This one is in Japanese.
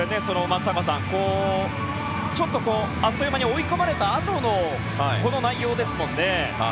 松坂さん、あっという間に追い込まれたあとのこの内容ですもんね。